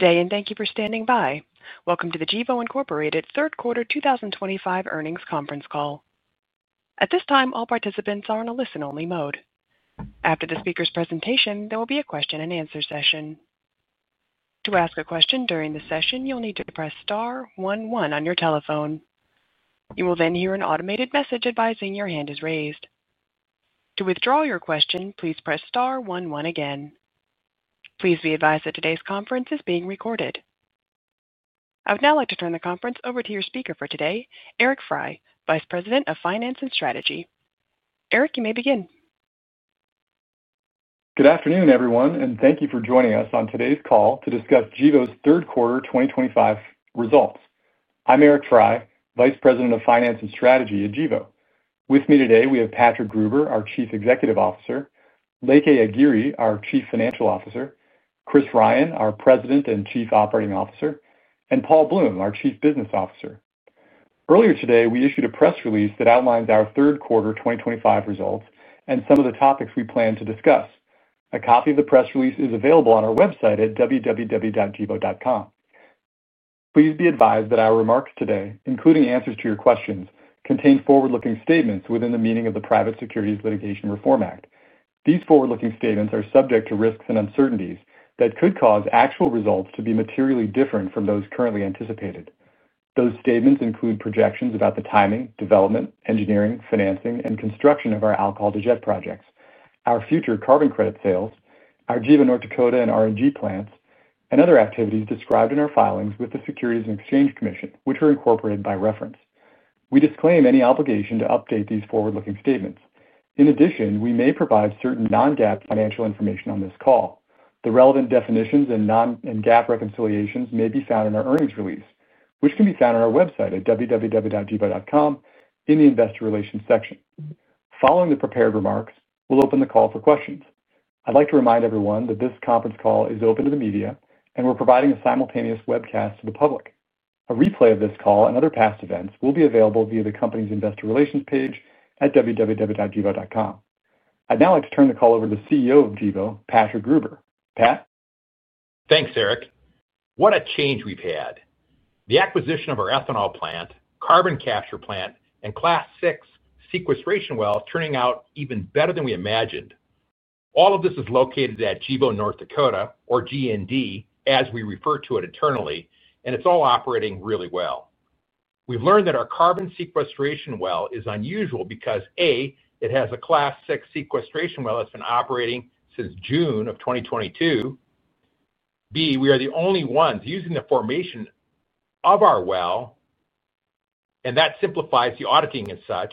Good day, and thank you for standing by. Welcome to the Gevo Incorporated third quarter 2025 earnings conference call. At this time, all participants are in a listen-only mode. After the speaker's presentation, there will be a question-and-answer session. To ask a question during the session, you'll need to press star one one on your telephone. You will then hear an automated message advising your hand is raised. To withdraw your question, please press star one one again. Please be advised that today's conference is being recorded. I would now like to turn the conference over to your speaker for today, Eric Frey, Vice President of Finance and Strategy. Eric, you may begin. Good afternoon, everyone, and thank you for joining us on today's call to discuss Gevo's third quarter 2025 results. I'm Eric Frey, Vice President of Finance and Strategy at Gevo. With me today, we have Patrick Gruber, our Chief Executive Officer, Leke Agiri, our Chief Financial Officer, Chris Ryan, our President and Chief Operating Officer, and Paul Bloom, our Chief Business Officer. Earlier today, we issued a press release that outlines our third quarter 2025 results and some of the topics we plan to discuss. A copy of the press release is available on our website at www.gevo.com. Please be advised that our remarks today, including answers to your questions, contain forward-looking statements within the meaning of the Private Securities Litigation Reform Act. These forward-looking statements are subject to risks and uncertainties that could cause actual results to be materially different from those currently anticipated. Those statements include projections about the timing, development, engineering, financing, and construction of our alcohol-to-jet projects, our future carbon credit sales, our Gevo North Dakota and R&G plants, and other activities described in our filings with the Securities and Exchange Commission, which are incorporated by reference. We disclaim any obligation to update these forward-looking statements. In addition, we may provide certain non-GAAP financial information on this call. The relevant definitions and non-GAAP reconciliations may be found in our earnings release, which can be found on our website at www.gevo.com in the Investor Relations section. Following the prepared remarks, we'll open the call for questions. I'd like to remind everyone that this conference call is open to the media, and we're providing a simultaneous webcast to the public. A replay of this call and other past events will be available via the company's Investor Relations page at www.gevo.com. I'd now like to turn the call over to the CEO of Gevo, Patrick Gruber. Pat? Thanks, Eric. What a change we've had. The acquisition of our ethanol plant, carbon capture plant, and Class VI sequestration wells turning out even better than we imagined. All of this is located at Gevo North Dakota, or GND, as we refer to it internally, and it's all operating really well. We've learned that our carbon sequestration well is unusual because, A, it has a Class VI sequestration well that's been operating since June of 2022; B, we are the only ones using the formation of our well, and that simplifies the auditing as such;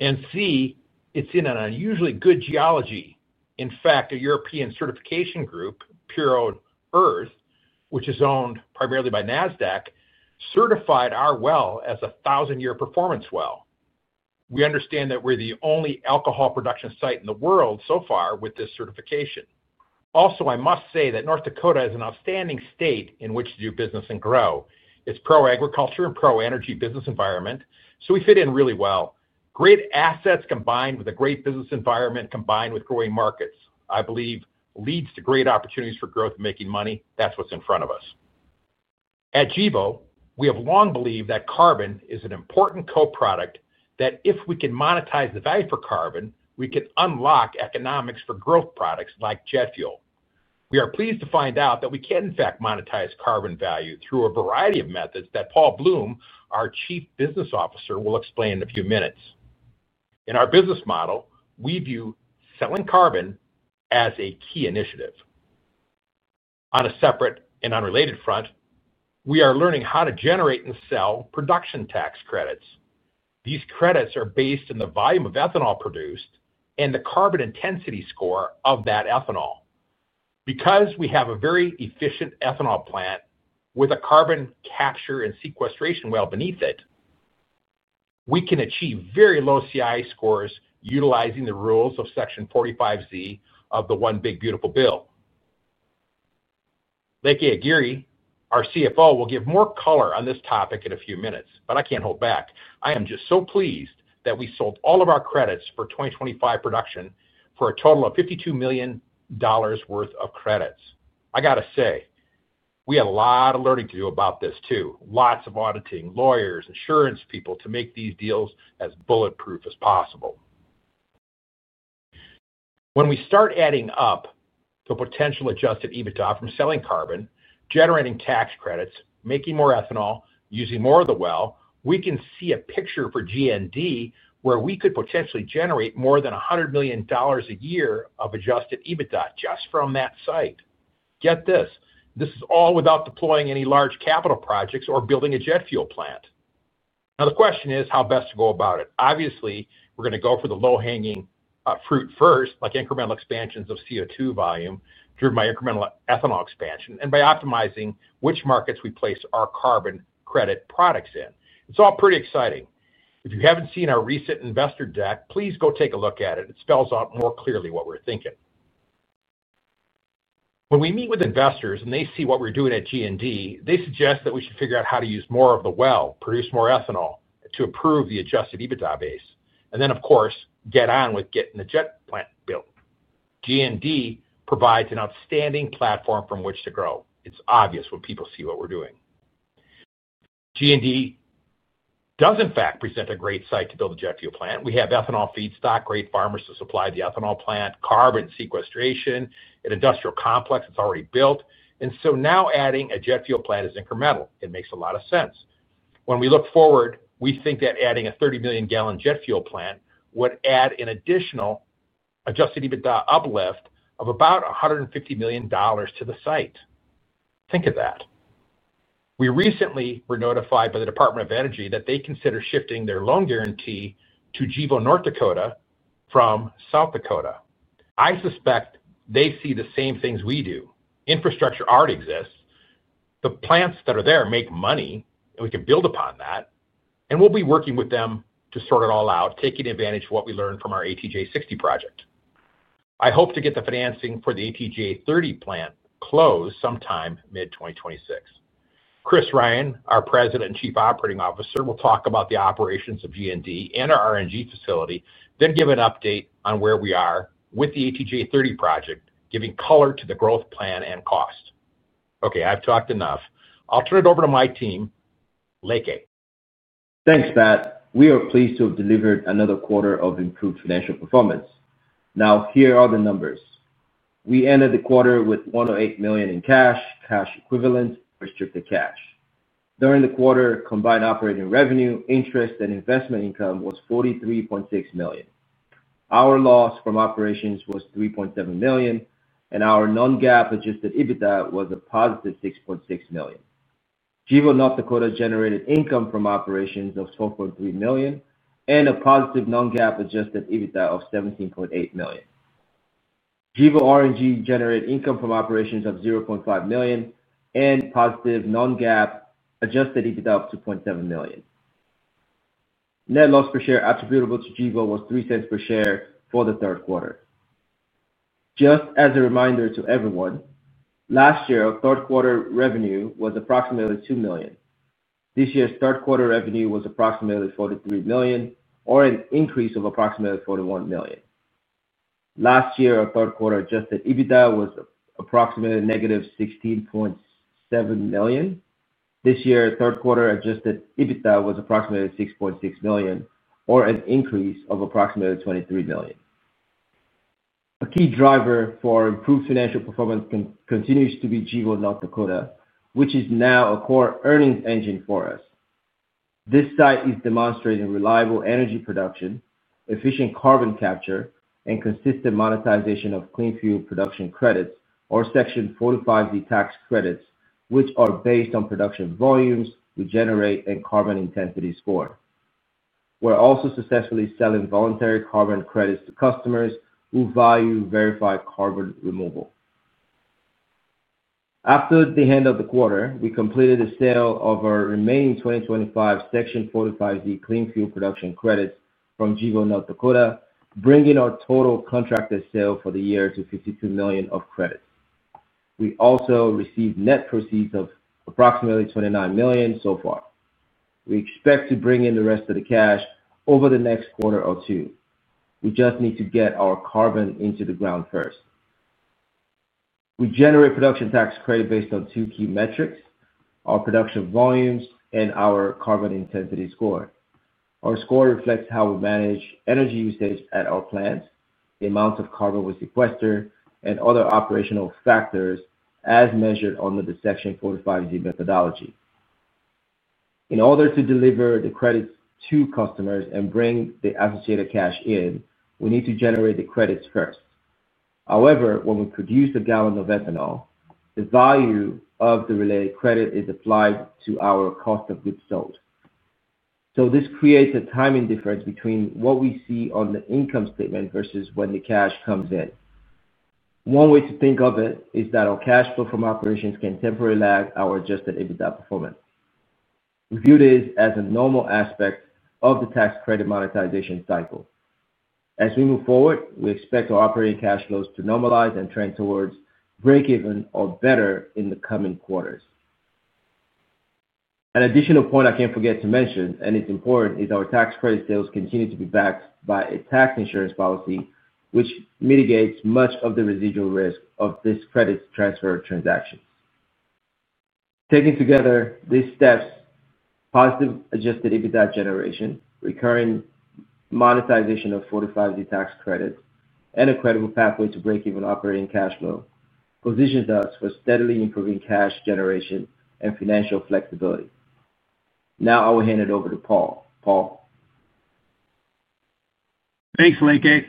and C, it's in an unusually good geology. In fact, a European certification group, Puro.Earth, which is owned primarily by NASDAQ, certified our well as a 1,000-year performance well. We understand that we're the only alcohol production site in the world so far with this certification. Also, I must say that North Dakota is an outstanding state in which to do business and grow. It's pro-agriculture and pro-energy business environment, so we fit in really well. Great assets combined with a great business environment combined with growing markets, I believe, leads to great opportunities for growth and making money. That's what's in front of us. At Gevo, we have long believed that carbon is an important co-product that if we can monetize the value for carbon, we can unlock economics for growth products like jet fuel. We are pleased to find out that we can, in fact, monetize carbon value through a variety of methods that Paul Bloom, our Chief Business Officer, will explain in a few minutes. In our business model, we view selling carbon as a key initiative. On a separate and unrelated front, we are learning how to generate and sell production tax credits. These credits are based in the volume of ethanol produced and the carbon intensity score of that ethanol. Because we have a very efficient ethanol plant with a carbon capture and sequestration well beneath it, we can achieve very low CI scores utilizing the rules of Section 45Z of the One Big Beautiful Bill. Leke Agiri, our CFO, will give more color on this topic in a few minutes, but I can't hold back. I am just so pleased that we sold all of our credits for 2025 production for a total of $52 million worth of credits. I got to say, we had a lot of learning to do about this too. Lots of auditing, lawyers, insurance people to make these deals as bulletproof as possible. When we start adding up the potential adjusted EBITDA from selling carbon, generating tax credits, making more ethanol, using more of the well, we can see a picture for GND where we could potentially generate more than $100 million a year of adjusted EBITDA just from that site. Get this, this is all without deploying any large capital projects or building a jet fuel plant. Now, the question is how best to go about it. Obviously, we're going to go for the low-hanging fruit first, like incremental expansions of CO2 volume driven by incremental ethanol expansion and by optimizing which markets we place our carbon credit products in. It's all pretty exciting. If you haven't seen our recent investor deck, please go take a look at it. It spells out more clearly what we're thinking. When we meet with investors and they see what we're doing at GND, they suggest that we should figure out how to use more of the well, produce more ethanol to improve the adjusted EBITDA base, and then, of course, get on with getting the jet plant built. GND provides an outstanding platform from which to grow. It's obvious when people see what we're doing. GND does, in fact, present a great site to build a jet fuel plant. We have ethanol feedstock, great farmers to supply the ethanol plant, carbon sequestration, an industrial complex that's already built. Now adding a jet fuel plant is incremental. It makes a lot of sense. When we look forward, we think that adding a 30 million-gallon jet fuel plant would add an additional adjusted EBITDA uplift of about $150 million to the site. Think of that. We recently were notified by the Department of Energy that they consider shifting their loan guarantee to Gevo North Dakota from South Dakota. I suspect they see the same things we do. Infrastructure already exists. The plants that are there make money, and we can build upon that. We will be working with them to sort it all out, taking advantage of what we learned from our ATJ-60 project. I hope to get the financing for the ATJ-30 plant closed sometime mid-2026. Chris Ryan, our President and Chief Operating Officer, will talk about the operations of GND and our R&G facility, then give an update on where we are with the ATJ-30 project, giving color to the growth plan and cost. Okay, I have talked enough. I will turn it over to my team, Leke. Thanks, Pat. We are pleased to have delivered another quarter of improved financial performance. Now, here are the numbers. We ended the quarter with $108 million in cash, cash equivalent, restricted cash. During the quarter, combined operating revenue, interest, and investment income was $43.6 million. Our loss from operations was $3.7 million, and our non-GAAP adjusted EBITDA was a positive $6.6 million. Gevo North Dakota generated income from operations of $12.3 million and a positive non-GAAP adjusted EBITDA of $17.8 million. Gevo R&G generated income from operations of $0.5 million and positive non-GAAP adjusted EBITDA of $2.7 million. Net loss per share attributable to Gevo was $0.03 per share for the third quarter. Just as a reminder to everyone, last year's third quarter revenue was approximately $2 million. This year's third quarter revenue was approximately $43 million, or an increase of approximately $41 million. Last year's third quarter adjusted EBITDA was approximately negative $16.7 million. This year's third quarter adjusted EBITDA was approximately $6.6 million, or an increase of approximately $23 million. A key driver for improved financial performance continues to be Gevo North Dakota, which is now a core earnings engine for us. This site is demonstrating reliable energy production, efficient carbon capture, and consistent monetization of clean fuel production credits, or Section 45Z tax credits, which are based on production volumes we generate and carbon intensity score. We're also successfully selling voluntary carbon credits to customers who value verified carbon removal. After the end of the quarter, we completed the sale of our remaining 2025 Section 45Z clean fuel production credits from Gevo North Dakota, bringing our total contracted sale for the year to $52 million of credits. We also received net proceeds of approximately $29 million so far. We expect to bring in the rest of the cash over the next quarter or two. We just need to get our carbon into the ground first. We generate production tax credit based on two key metrics: our production volumes and our carbon intensity score. Our score reflects how we manage energy usage at our plants, the amount of carbon we sequester, and other operational factors as measured under the Section 45Z methodology. In order to deliver the credits to customers and bring the associated cash in, we need to generate the credits first. However, when we produce a gallon of ethanol, the value of the related credit is applied to our cost of goods sold. This creates a timing difference between what we see on the income statement versus when the cash comes in. One way to think of it is that our cash flow from operations can temporarily lag our adjusted EBITDA performance. We view this as a normal aspect of the tax credit monetization cycle. As we move forward, we expect our operating cash flows to normalize and trend towards break-even or better in the coming quarters. An additional point I can't forget to mention, and it's important, is our tax credit sales continue to be backed by a tax insurance policy, which mitigates much of the residual risk of these credit transfer transactions. Taking together these steps, positive adjusted EBITDA generation, recurring monetization of 45Z tax credits, and a credible pathway to break-even operating cash flow positions us for steadily improving cash generation and financial flexibility. Now I will hand it over to Paul. Paul. Thanks, Leke.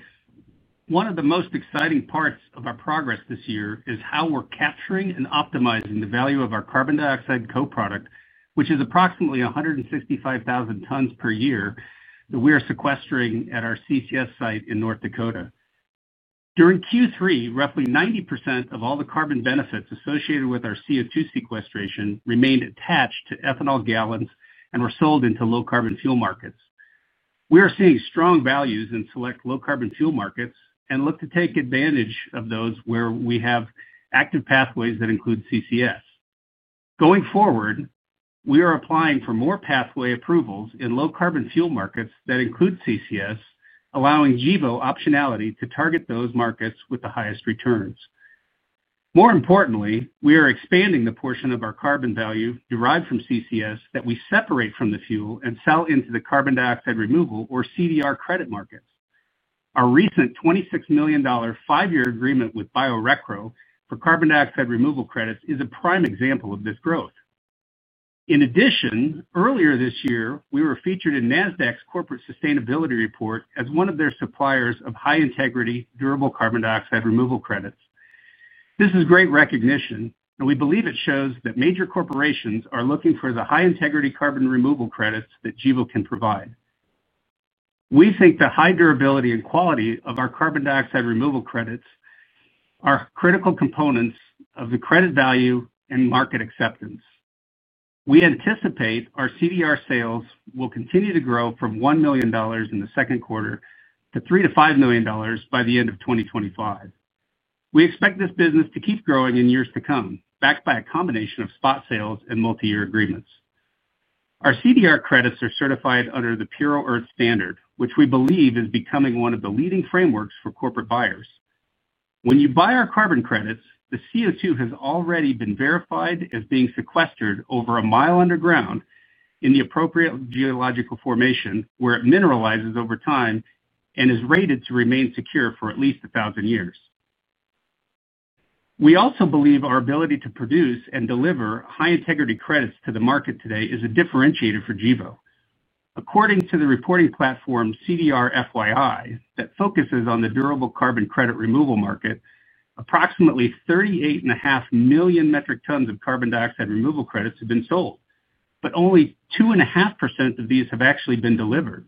One of the most exciting parts of our progress this year is how we're capturing and optimizing the value of our carbon dioxide co-product, which is approximately 165,000 tons per year that we are sequestering at our CCS site in North Dakota. During Q3, roughly 90% of all the carbon benefits associated with our CO2 sequestration remained attached to ethanol gallons and were sold into low-carbon fuel markets. We are seeing strong values in select low-carbon fuel markets and look to take advantage of those where we have active pathways that include CCS. Going forward, we are applying for more pathway approvals in low-carbon fuel markets that include CCS, allowing Gevo optionality to target those markets with the highest returns. More importantly, we are expanding the portion of our carbon value derived from CCS that we separate from the fuel and sell into the carbon dioxide removal, or CDR, credit markets. Our recent $26 million five-year agreement with Biorecro for carbon dioxide removal credits is a prime example of this growth. In addition, earlier this year, we were featured in NASDAQ's corporate sustainability report as one of their suppliers of high-integrity, durable carbon dioxide removal credits. This is great recognition, and we believe it shows that major corporations are looking for the high-integrity carbon removal credits that Gevo can provide. We think the high durability and quality of our carbon dioxide removal credits are critical components of the credit value and market acceptance. We anticipate our CDR sales will continue to grow from $1 million in the second quarter to $3 million-$5 million by the end of 2025. We expect this business to keep growing in years to come, backed by a combination of spot sales and multi-year agreements. Our CDR credits are certified under the Puro.Earth Standard, which we believe is becoming one of the leading frameworks for corporate buyers. When you buy our carbon credits, the CO2 has already been verified as being sequestered over a mile underground in the appropriate geological formation where it mineralizes over time and is rated to remain secure for at least 1,000 years. We also believe our ability to produce and deliver high-integrity credits to the market today is a differentiator for Gevo. According to the reporting platform CDR.fyi that focuses on the durable carbon credit removal market, approximately 38.5 million metric tons of carbon dioxide removal credits have been sold, but only 2.5% of these have actually been delivered.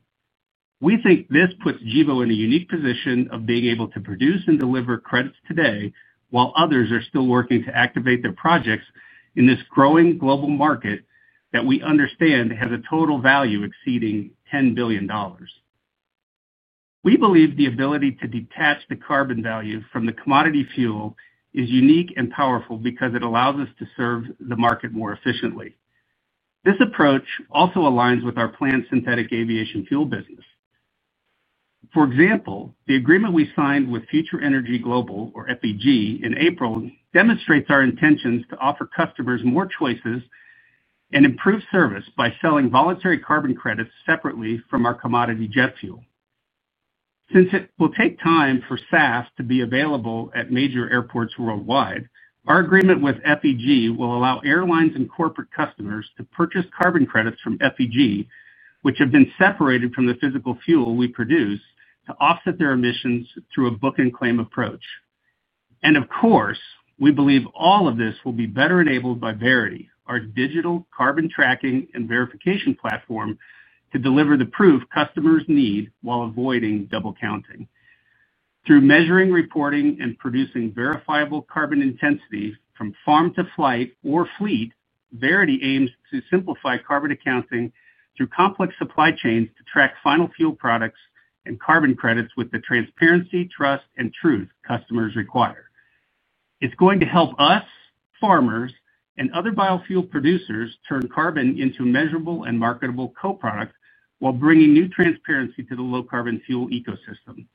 We think this puts Gevo in a unique position of being able to produce and deliver credits today while others are still working to activate their projects in this growing global market that we understand has a total value exceeding $10 billion. We believe the ability to detach the carbon value from the commodity fuel is unique and powerful because it allows us to serve the market more efficiently. This approach also aligns with our plant synthetic aviation fuel business. For example, the agreement we signed with Future Energy Global, or FEG, in April demonstrates our intentions to offer customers more choices and improve service by selling voluntary carbon credits separately from our commodity jet fuel. Since it will take time for SAF to be available at major airports worldwide, our agreement with FEG will allow airlines and corporate customers to purchase carbon credits from FEG, which have been separated from the physical fuel we produce, to offset their emissions through a book and claim approach. Of course, we believe all of this will be better enabled by Verity, our digital carbon tracking and verification platform, to deliver the proof customers need while avoiding double-counting. Through measuring, reporting, and producing verifiable carbon intensity from farm to flight or fleet, Verity aims to simplify carbon accounting through complex supply chains to track final fuel products and carbon credits with the transparency, trust, and truth customers require. It's going to help us, farmers, and other biofuel producers turn carbon into measurable and marketable co-product while bringing new transparency to the low-carbon fuel ecosystem.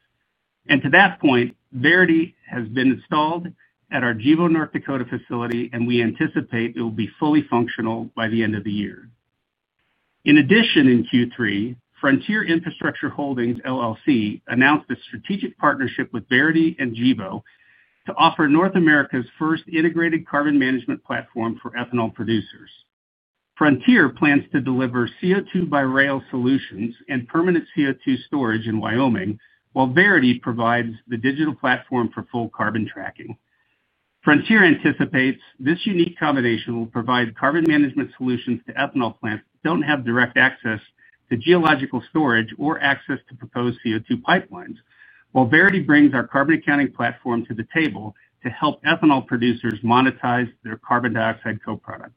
To that point, Verity has been installed at our Gevo North Dakota facility, and we anticipate it will be fully functional by the end of the year. In addition, in Q3, Frontier Infrastructure Holdings announced a strategic partnership with Verity and Gevo to offer North America's first integrated carbon management platform for ethanol producers. Frontier plans to deliver CO2 by rail solutions and permanent CO2 storage in Wyoming, while Verity provides the digital platform for full carbon tracking. Frontier anticipates this unique combination will provide carbon management solutions to ethanol plants that do not have direct access to geological storage or access to proposed CO2 pipelines, while Verity brings our carbon accounting platform to the table to help ethanol producers monetize their carbon dioxide co-product.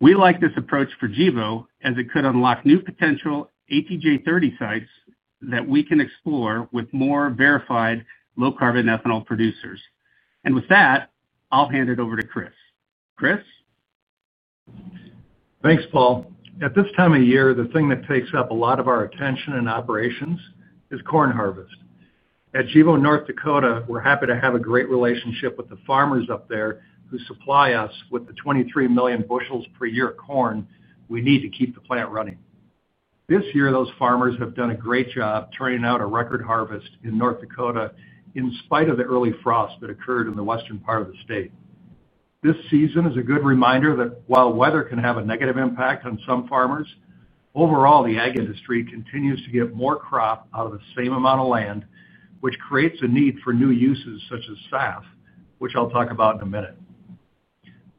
We like this approach for Gevo as it could unlock new potential ATJ-30 sites that we can explore with more verified low-carbon ethanol producers. With that, I'll hand it over to Chris. Chris? Thanks, Paul. At this time of year, the thing that takes up a lot of our attention in operations is corn harvest. At Gevo North Dakota, we're happy to have a great relationship with the farmers up there who supply us with the 23 million bushels per year of corn we need to keep the plant running. This year, those farmers have done a great job turning out a record harvest in North Dakota in spite of the early frost that occurred in the western part of the state. This season is a good reminder that while weather can have a negative impact on some farmers, overall, the ag industry continues to get more crop out of the same amount of land, which creates a need for new uses such as SAF, which I'll talk about in a minute.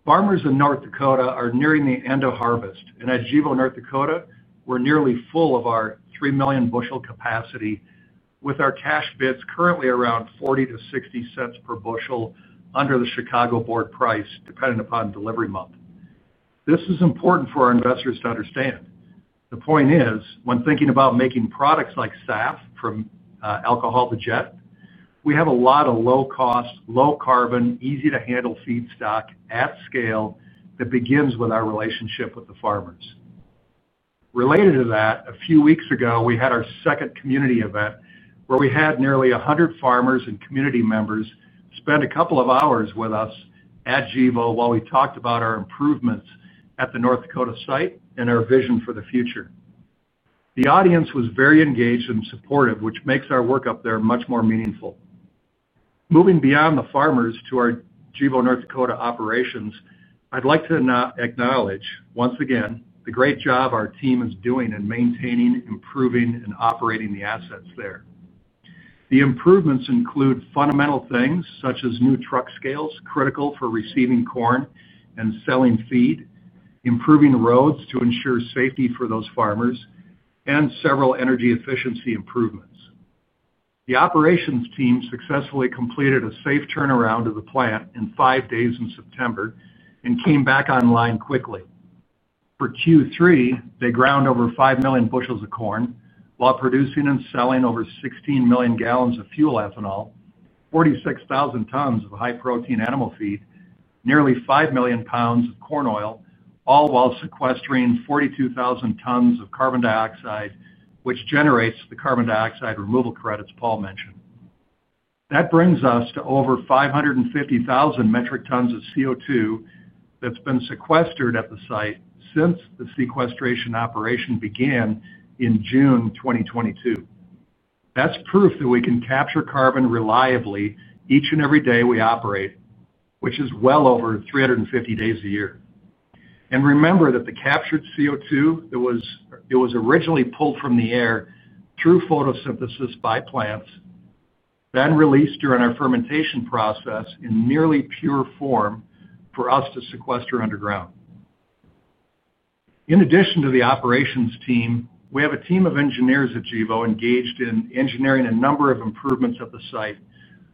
Farmers in North Dakota are nearing the end of harvest, and at Gevo North Dakota, we're nearly full of our 3 million bushel capacity, with our cash bids currently around $0.40-$0.60 per bushel under the Chicago board price, depending upon delivery month. This is important for our investors to understand. The point is, when thinking about making products like SAF from alcohol to jet, we have a lot of low-cost, low-carbon, easy-to-handle feed stock at scale that begins with our relationship with the farmers. Related to that, a few weeks ago, we had our second community event where we had nearly 100 farmers and community members spend a couple of hours with us at Gevo while we talked about our improvements at the North Dakota site and our vision for the future. The audience was very engaged and supportive, which makes our work up there much more meaningful. Moving beyond the farmers to our Gevo North Dakota operations, I'd like to acknowledge, once again, the great job our team is doing in maintaining, improving, and operating the assets there. The improvements include fundamental things such as new truck scales critical for receiving corn and selling feed, improving roads to ensure safety for those farmers, and several energy efficiency improvements. The operations team successfully completed a safe turnaround of the plant in five days in September and came back online quickly. For Q3, they ground over 5 million bushels of corn while producing and selling over 16 million gal of fuel ethanol, 46,000 tons of high-protein animal feed, nearly 5 million lbs of corn oil, all while sequestering 42,000 tons of carbon dioxide, which generates the carbon dioxide removal credits Paul mentioned. That brings us to over 550,000 metric tons of CO2 that's been sequestered at the site since the sequestration operation began in June 2022. That's proof that we can capture carbon reliably each and every day we operate, which is well over 350 days a year. Remember that the captured CO2, it was originally pulled from the air through photosynthesis by plants, then released during our fermentation process in nearly pure form for us to sequester underground. In addition to the operations team, we have a team of engineers at Gevo engaged in engineering a number of improvements at the site,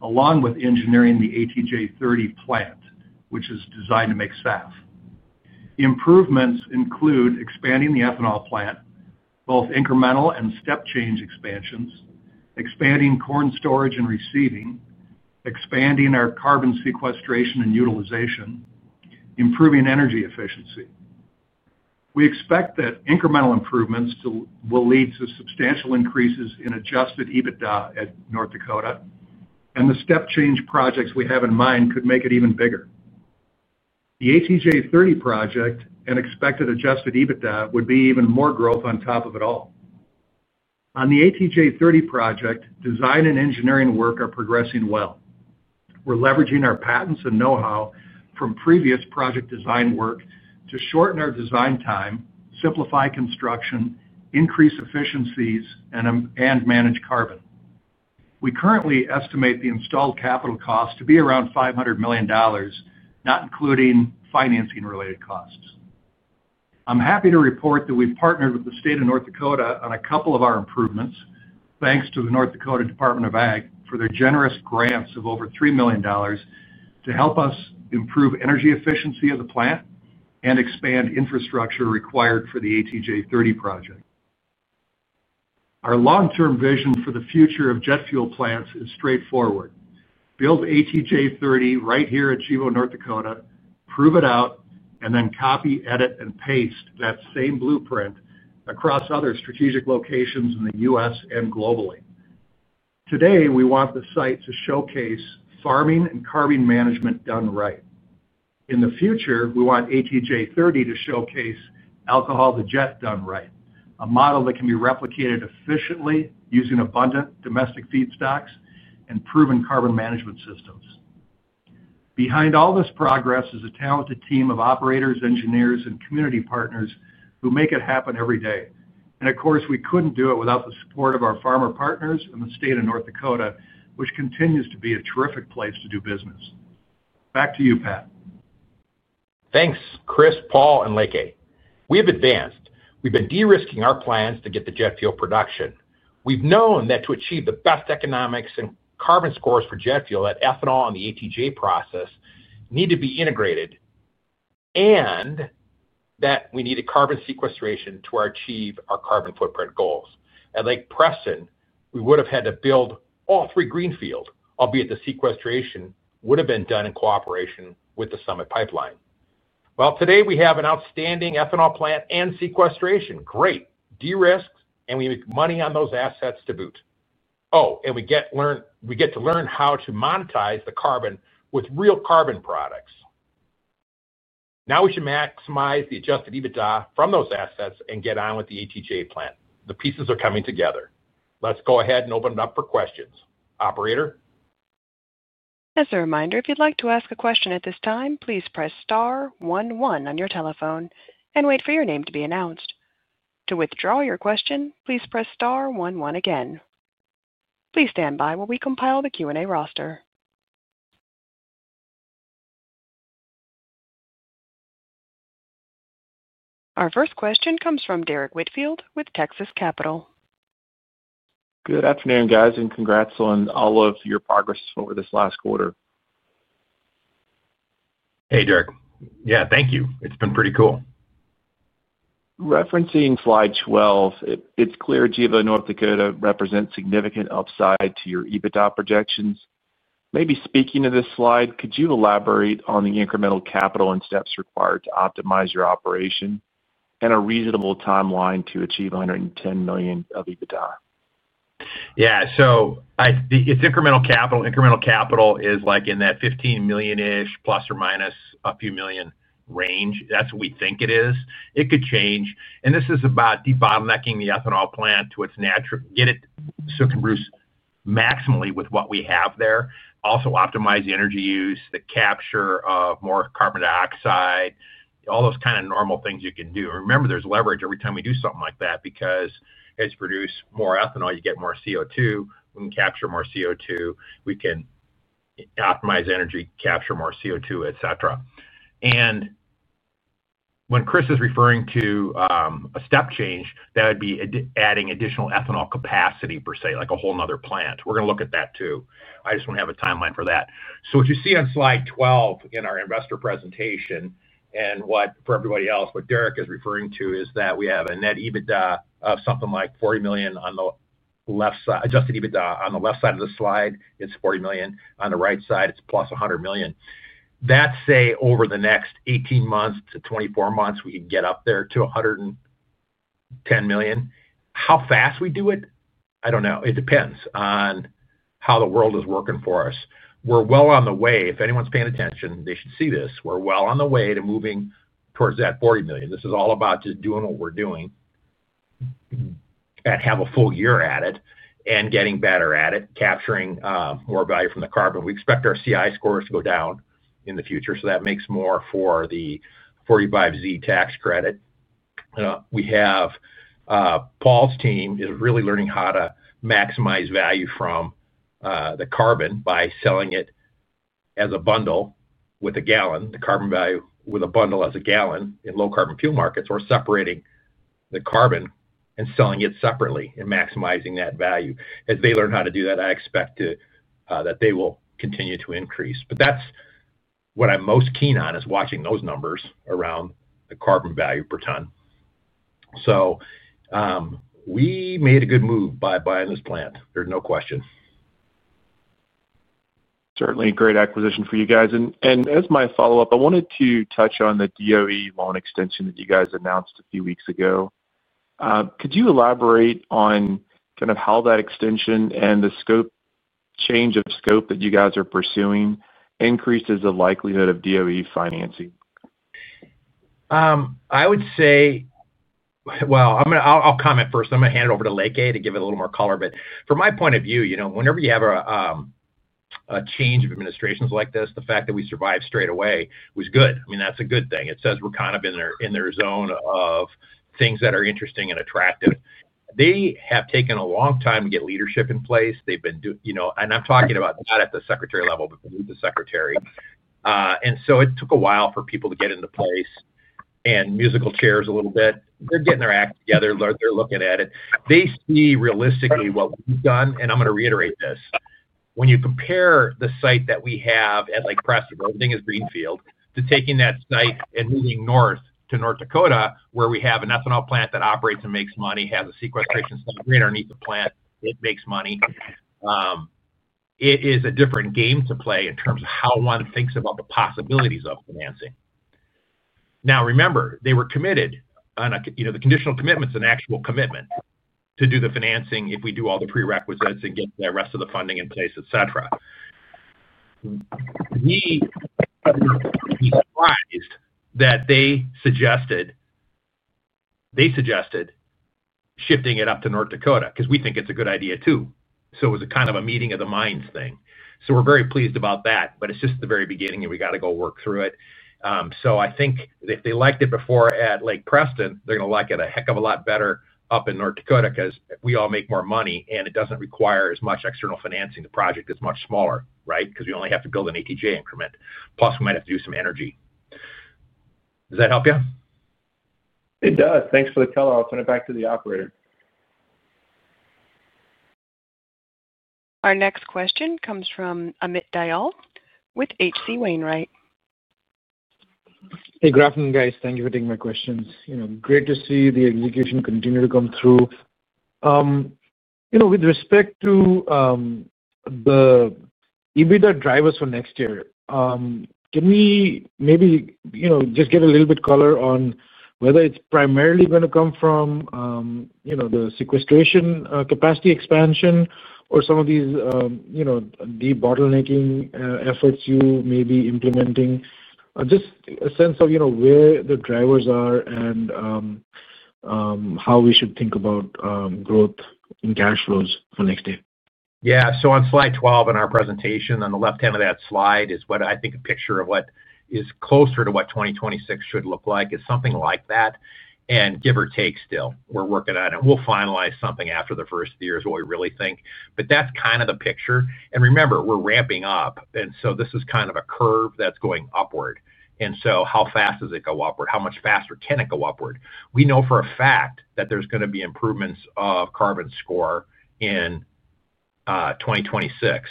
along with engineering the ATJ-30 plant, which is designed to make SAF. Improvements include expanding the ethanol plant, both incremental and step-change expansions, expanding corn storage and receiving, expanding our carbon sequestration and utilization, improving energy efficiency. We expect that incremental improvements will lead to substantial increases in adjusted EBITDA at North Dakota, and the step-change projects we have in mind could make it even bigger. The ATJ-30 project and expected adjusted EBITDA would be even more growth on top of it all. On the ATJ-30 project, design and engineering work are progressing well. We're leveraging our patents and know-how from previous project design work to shorten our design time, simplify construction, increase efficiencies, and manage carbon. We currently estimate the installed capital cost to be around $500 million, not including financing-related costs. I'm happy to report that we've partnered with the state of North Dakota on a couple of our improvements, thanks to the North Dakota Department of Ag for their generous grants of over $3 million to help us improve energy efficiency of the plant and expand infrastructure required for the ATJ-30 project. Our long-term vision for the future of jet fuel plants is straightforward. Build ATJ-30 right here at Gevo North Dakota, prove it out, and then copy, edit, and paste that same blueprint across other strategic locations in the U.S. and globally. Today, we want the site to showcase farming and carbon management done right. In the future, we want ATJ-30 to showcase alcohol to jet done right, a model that can be replicated efficiently using abundant domestic feed stocks and proven carbon management systems. Behind all this progress is a talented team of operators, engineers, and community partners who make it happen every day. Of course, we could not do it without the support of our farmer partners and the state of North Dakota, which continues to be a terrific place to do business. Back to you, Pat. Thanks, Chris, Paul, and Leke. We have advanced. We've been de-risking our plans to get the jet fuel production. We've known that to achieve the best economics and carbon scores for jet fuel that ethanol and the ATJ process need to be integrated and that we need a carbon sequestration to achieve our carbon footprint goals. At Lake Preston, we would have had to build all three greenfield, albeit the sequestration would have been done in cooperation with the Summit Pipeline. Today we have an outstanding ethanol plant and sequestration. Great. De-risked, and we make money on those assets to boot. Oh, and we get to learn how to monetize the carbon with real carbon products. Now we should maximize the adjusted EBITDA from those assets and get on with the ATJ plant. The pieces are coming together. Let's go ahead and open it up for questions. Operator? As a reminder, if you'd like to ask a question at this time, please press star 11 on your telephone and wait for your name to be announced. To withdraw your question, please press star 11 again. Please stand by while we compile the Q&A roster. Our first question comes from Derrick Whitfield with Texas Capital. Good afternoon, guys, and congrats on all of your progress over this last quarter. Hey, Derrick. Yeah, thank you. It's been pretty cool. Referencing slide 12, it's clear Gevo North Dakota represents significant upside to your EBITDA projections. Maybe speaking to this slide, could you elaborate on the incremental capital and steps required to optimize your operation and a reasonable timeline to achieve $110 million of EBITDA? Yeah. It is incremental capital. Incremental capital is like in that $15 million-ish, plus or minus a few million range. That is what we think it is. It could change. This is about debottlenecking the ethanol plant to get it so it can produce maximally with what we have there. Also optimize the energy use, the capture of more carbon dioxide, all those kind of normal things you can do. Remember, there is leverage every time we do something like that because as you produce more ethanol, you get more CO2. When we capture more CO2, we can optimize energy, capture more CO2, etc. When Chris is referring to a step change, that would be adding additional ethanol capacity, per se, like a whole nother plant. We are going to look at that too. I just do not have a timeline for that. What you see on slide 12 in our investor presentation and for everybody else, what Derrick is referring to is that we have a net EBITDA of something like $40 million on the left side. Adjusted EBITDA on the left side of the slide, it's $40 million. On the right side, it's plus $100 million. That's, say, over the next 18-24 months, we can get up there to $110 million. How fast we do it? I don't know. It depends on how the world is working for us. We're well on the way. If anyone's paying attention, they should see this. We're well on the way to moving towards that $40 million. This is all about just doing what we're doing and have a full year at it and getting better at it, capturing more value from the carbon. We expect our CI scores to go down in the future, so that makes more for the 45Z tax credit. We have Paul's team is really learning how to maximize value from the carbon by selling it as a bundle with a gallon, the carbon value with a bundle as a gallon in low-carbon fuel markets, or separating the carbon and selling it separately and maximizing that value. As they learn how to do that, I expect that they will continue to increase. That's what I'm most keen on, is watching those numbers around the carbon value per ton. We made a good move by buying this plant. There's no question. Certainly a great acquisition for you guys. As my follow-up, I wanted to touch on the DOE loan extension that you guys announced a few weeks ago. Could you elaborate on kind of how that extension and the change of scope that you guys are pursuing increases the likelihood of DOE financing? I would say, I'll comment first. I'm going to hand it over to Leke to give it a little more color. From my point of view, whenever you have a change of administrations like this, the fact that we survive straight away was good. I mean, that's a good thing. It says we're kind of in their zone of things that are interesting and attractive. They have taken a long time to get leadership in place. They've been doing—and I'm talking about not at the secretary level, but with the secretary. It took a while for people to get into place and musical chairs a little bit. They're getting their act together. They're looking at it. They see realistically what we've done. I'm going to reiterate this. When you compare the site that we have at Lake Preston, everything is greenfield, to taking that site and moving north to North Dakota, where we have an ethanol plant that operates and makes money, has a sequestration site right underneath the plant that makes money, it is a different game to play in terms of how one thinks about the possibilities of financing. Now, remember, they were committed. The conditional commitment is an actual commitment to do the financing if we do all the prerequisites and get the rest of the funding in place, etc. We were surprised that they suggested shifting it up to North Dakota because we think it's a good idea too. It was a kind of a meeting of the minds thing. We are very pleased about that, but it's just the very beginning, and we got to go work through it. I think if they liked it before at Lake Preston, they're going to like it a heck of a lot better up in North Dakota because we all make more money, and it doesn't require as much external financing. The project is much smaller, right? Because we only have to build an ATJ increment. Plus, we might have to do some energy. Does that help you? It does. Thanks for the color. I'll turn it back to the operator. Our next question comes from Amit Dayal with HC Wainwright. Hey, good afternoon, guys. Thank you for taking my questions. Great to see the execution continue to come through. With respect to the EBITDA drivers for next year, can we maybe just get a little bit of color on whether it's primarily going to come from the sequestration capacity expansion or some of these debottlenecking efforts you may be implementing? Just a sense of where the drivers are and how we should think about growth in cash flows for next year? Yeah. On slide 12 in our presentation, on the left hand of that slide is what I think a picture of what is closer to what 2026 should look like is something like that. Give or take still, we're working on it. We'll finalize something after the first year is what we really think. That's kind of the picture. Remember, we're ramping up. This is kind of a curve that's going upward. How fast does it go upward? How much faster can it go upward? We know for a fact that there's going to be improvements of carbon score in 2026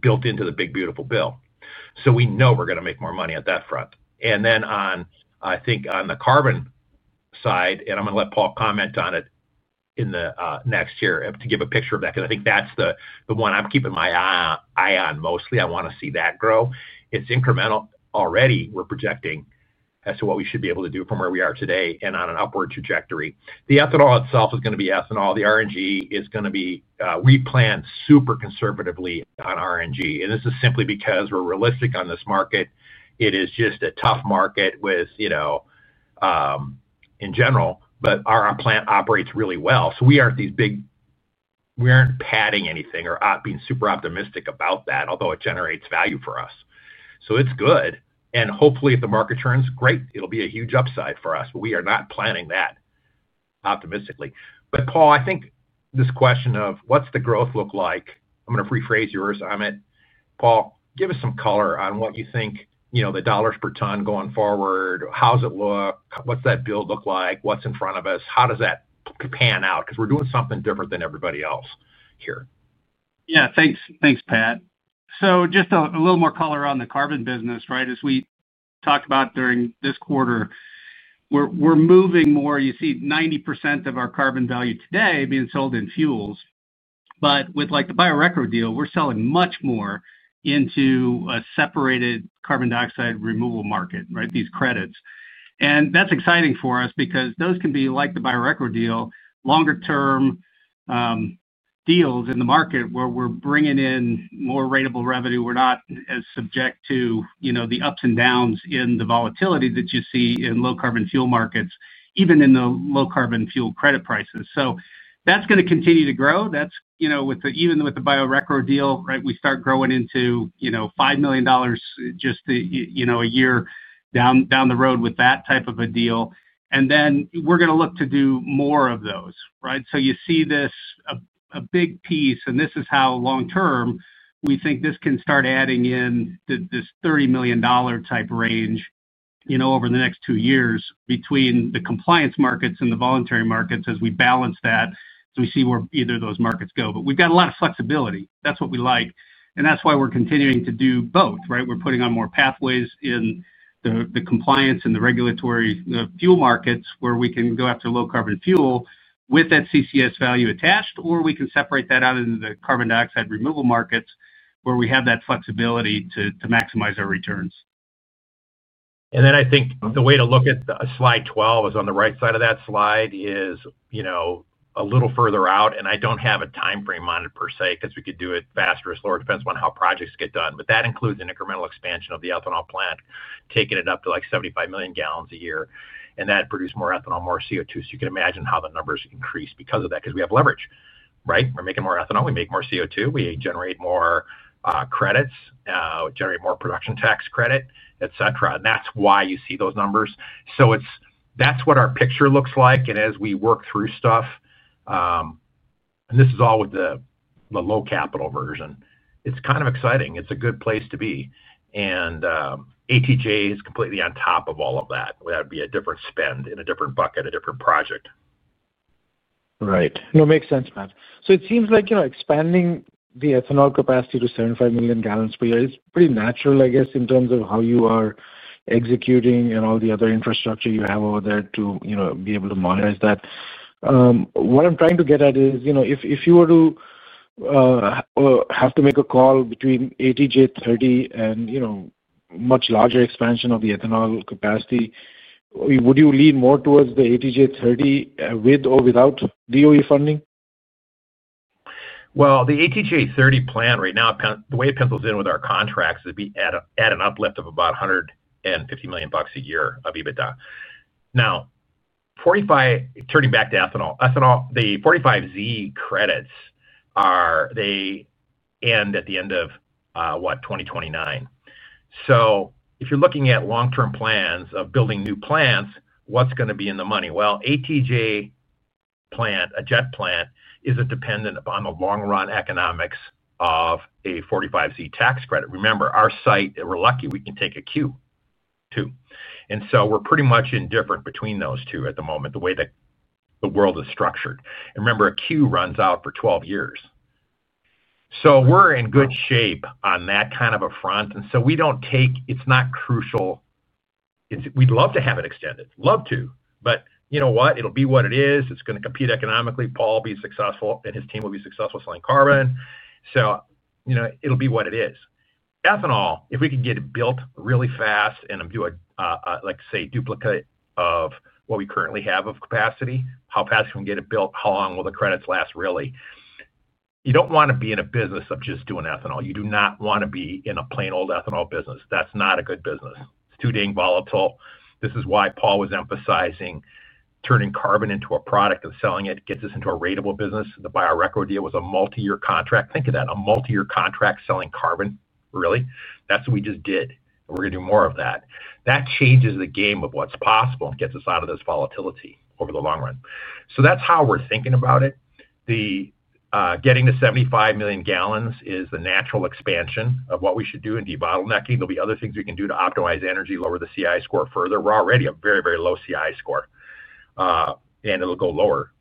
built into the big beautiful bill. We know we're going to make more money at that front. I think on the carbon side, and I'm going to let Paul comment on it in the next year to give a picture of that because I think that's the one I'm keeping my eye on mostly. I want to see that grow. It's incremental. Already, we're projecting as to what we should be able to do from where we are today and on an upward trajectory. The ethanol itself is going to be ethanol. The R&G is going to be we plan super conservatively on R&G. This is simply because we're realistic on this market. It is just a tough market in general, but our plant operates really well. We aren't these big we aren't padding anything or being super optimistic about that, although it generates value for us. It's good. Hopefully, if the market turns, great. It'll be a huge upside for us. We are not planning that optimistically. Paul, I think this question of what's the growth look like? I'm going to rephrase yours, Amit. Paul, give us some color on what you think the dollars per ton going forward, how's it look? What's that build look like? What's in front of us? How does that pan out? Because we're doing something different than everybody else here. Yeah. Thanks, Pat. Just a little more color on the carbon business, right? As we talked about during this quarter, we're moving more. You see 90% of our carbon value today being sold in fuels. With the Biorecro deal, we're selling much more into a separated carbon dioxide removal market, right? These credits. That's exciting for us because those can be, like the Biorecro deal, longer-term deals in the market where we're bringing in more ratable revenue. We're not as subject to the ups and downs in the volatility that you see in low-carbon fuel markets, even in the low-carbon fuel credit prices. That's going to continue to grow. Even with the Biorecro deal, right, we start growing into $5 million just a year down the road with that type of a deal. We're going to look to do more of those, right? You see this a big piece, and this is how long-term we think this can start adding in this $30 million type range over the next two years between the compliance markets and the voluntary markets as we balance that, as we see where either of those markets go. We have a lot of flexibility. That is what we like. That is why we are continuing to do both, right? We are putting on more pathways in the compliance and the regulatory fuel markets where we can go after low-carbon fuel with that CCS value attached, or we can separate that out into the carbon dioxide removal markets where we have that flexibility to maximize our returns. I think the way to look at slide 12 is on the right side of that slide is a little further out. I do not have a timeframe on it per se because we could do it faster, as far as it depends on how projects get done. That includes an incremental expansion of the ethanol plant, taking it up to like 75 million gal a year. That produces more ethanol, more CO2. You can imagine how the numbers increase because of that because we have leverage, right? We are making more ethanol. We make more CO2. We generate more credits, generate more production tax credit, etc. That is why you see those numbers. That is what our picture looks like. As we work through stuff, and this is all with the low capital version, it is kind of exciting. It is a good place to be. ATJ is completely on top of all of that. That would be a different spend in a different bucket, a different project. Right. No, makes sense, Matt. So it seems like expanding the ethanol capacity to 75 million gal per year is pretty natural, I guess, in terms of how you are executing and all the other infrastructure you have over there to be able to monitor that. What I'm trying to get at is if you were to have to make a call between ATJ-30 and much larger expansion of the ethanol capacity, would you lean more towards the ATJ-30 with or without DOE funding? The ATJ-30 plan right now, the way it pencils in with our contracts is we add an uplift of about $150 million a year of EBITDA. Now, turning back to ethanol, the 45Z credits, they end at the end of, what, 2029. If you're looking at long-term plans of building new plants, what's going to be in the money? ATJ plant, a jet plant, is dependent upon the long-run economics of a 45Z tax credit. Remember, our site, we're lucky we can take a Q too. We're pretty much indifferent between those two at the moment, the way that the world is structured. Remember, a Q runs out for 12 years. We're in good shape on that kind of a front. We don't take it's not crucial. We'd love to have it extended. Love to. You know what? It'll be what it is. It's going to compete economically. Paul will be successful, and his team will be successful selling carbon. So it'll be what it is. Ethanol, if we can get it built really fast and do a, say, duplicate of what we currently have of capacity, how fast can we get it built? How long will the credits last, really? You do not want to be in a business of just doing ethanol. You do not want to be in a plain old ethanol business. That's not a good business. It's too dang volatile. This is why Paul was emphasizing turning carbon into a product and selling it gets us into a ratable business. The Biorecro deal was a multi-year contract. Think of that. A multi-year contract selling carbon, really. That's what we just did. And we're going to do more of that. That changes the game of what's possible and gets us out of this volatility over the long run. That is how we're thinking about it. Getting to 75 million gal is the natural expansion of what we should do in debottlenecking. There will be other things we can do to optimize energy, lower the CI score further. We're already a very, very low CI score, and it'll go lower